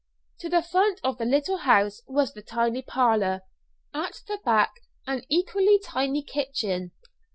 To the front of the little house was the tiny parlour, at the back an equally tiny kitchen.